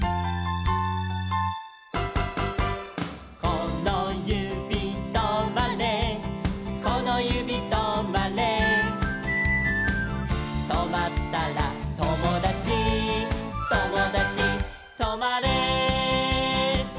「このゆびとまれこのゆびとまれ」「とまったらともだちともだちとまれ」